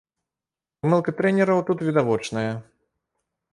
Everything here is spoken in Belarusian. Памылка трэнераў тут відавочная.